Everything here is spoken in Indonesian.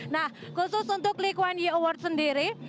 nah khusus untuk likuan u awards sendiri